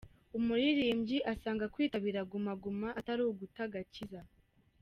Umuririmbyi asanga kwitabira guma guma atari uguta agakiza